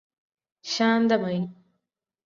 ശാന്തമായി